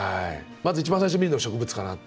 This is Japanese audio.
まず一番最初に見るのは植物かなって。